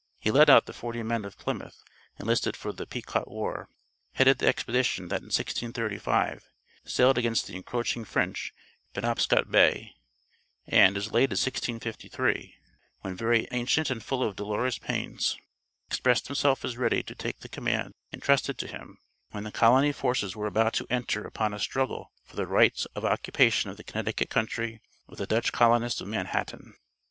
He led out the forty men of Plymouth enlisted for the Pequot War, headed the expedition that in 1635, sailed against the encroaching French in Penobscot Bay, and, as late as 1653, when "very auncient and full of dolorous paines," expressed himself as ready to take the command intrusted to him when the colony forces were about to enter upon a struggle for the right of occupation of the Connecticut country with the Dutch colonists of Manhattan.